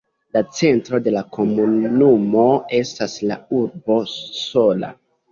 La centro de la komunumo estas la urbo Sola.